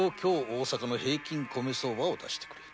大阪の平均米相場を出してくれ。